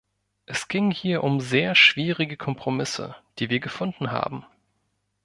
Es ging hier um sehr schwierige Kompromisse, die wir gefunden haben.